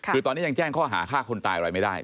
คือตอนนี้ยังแจ้งข้อหาฆ่าคนตายอะไรไม่ได้